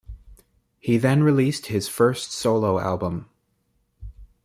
He then released his first solo album.